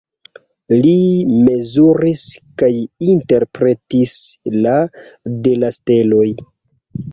Li mezuris kaj interpretis la de la steloj.